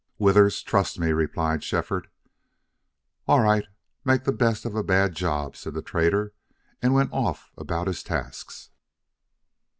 "Withers, trust me," replied Shefford. "All right. Make the best of a bad job," said the trader, and went off about his tasks.